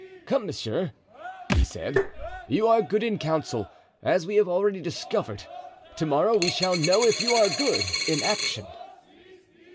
"Come, monsieur," he said, "you are good in council, as we have already discovered; to morrow we shall know if you are good in action."